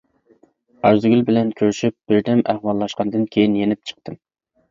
ئارزۇگۈل بىلەن كۆرۈشۈپ بىردەم ئەھۋاللاشقاندىن كېيىن يېنىپ چىقتىم.